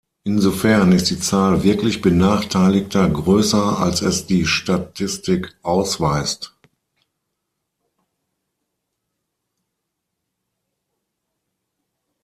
Insofern ist die Zahl wirklich Benachteiligter größer, als es die Statistik ausweist.